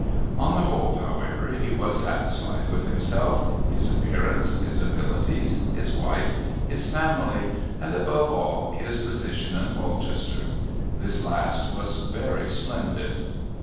On the whole, however, he was satisfied with himself, his appearance, his abilities, his wife, his family, and, above all, his position in Polchester. This last was very splendid.